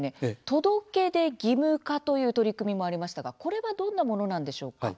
届け出義務化という取り組みもありましたが、これはどんなものなんでしょうか。